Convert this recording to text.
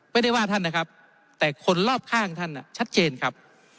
ไม่ได้ว่าท่านนะครับแต่คนรอบข้างท่านชัดเจนครับ